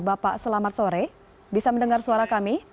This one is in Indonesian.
bapak selamat sore bisa mendengar suara kami